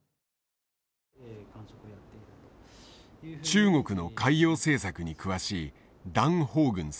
中国の海洋政策に詳しい段烽軍さん。